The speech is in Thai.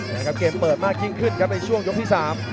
นะครับเกมเปิดมากยิ่งขึ้นครับในช่วงยกที่๓